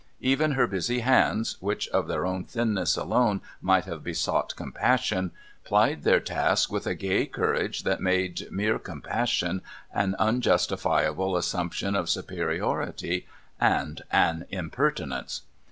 Even her busy hands, which of their own thinness alone might have besought compassion, plied their task with a gay courage that made mere compassion an unjustifiable assumption of superiority, and an impertinence.